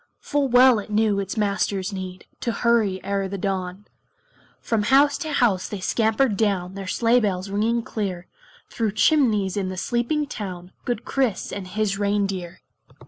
Full well it knew its Master's need To hurry e'er the dawn. From house to house they scampered down, Their sleigh bells ringing clear, Through chimneys in the sleepy town Good Kris and his reindeer.